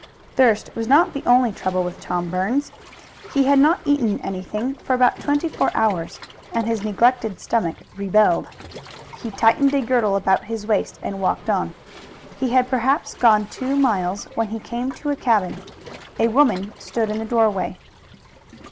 Thirst was not the only trouble with Tom Burns. He had not eaten anything for about twenty four hours, and his neglected stomach rebelled. He tightened a girdle about his waist and walked on. He had perhaps gone two miles when he came to a cabin. A woman stood in the doorway.